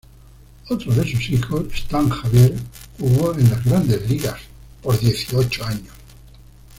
Otro de sus hijos "Stan Javier" jugó en las "Grandes Ligas" por dieciocho años.